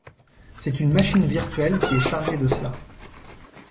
C'est une machine virtuelle qui est chargée de cela.